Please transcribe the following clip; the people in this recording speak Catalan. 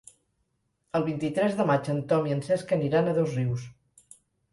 El vint-i-tres de maig en Tom i en Cesc aniran a Dosrius.